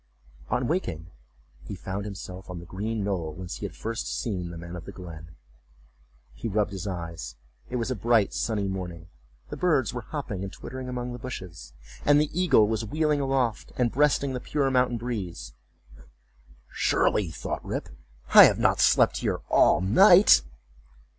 On waking, he found himself on the green knoll whence he had first seen the old man of the glen. He rubbed his eyes—it was a bright sunny morning. The birds were hopping and twittering among the bushes, and the eagle was wheeling aloft, and breasting the pure mountain breeze. "Surely," thought Rip, "I have not slept here all night."